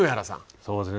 そうですね。